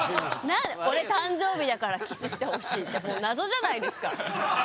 何で「俺誕生日だからキスしてほしい」ってもう謎じゃないですか。